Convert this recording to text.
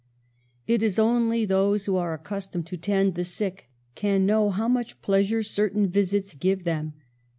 It is only those who are accustomed to tend the sick can know how much pleasure certain visits give them.